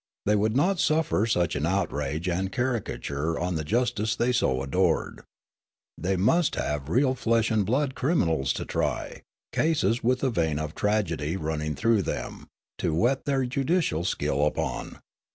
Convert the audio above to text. They would not suffer such an outrage and caricature on the justice they so adored. They must have real flesh and blood criminals to try, cases with a vein of tragedy running through them, to whet their judicial skill upon.